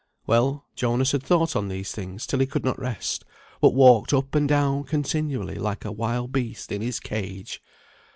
Well, Jonas had thought on these things till he could not rest, but walked up and down continually like a wild beast in his cage.